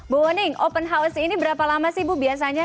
bu warning open house ini berapa lama sih bu biasanya